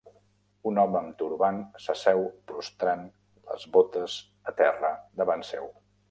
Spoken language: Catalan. Un home amb turbant s'asseu prostrant les botes a terra davant seu.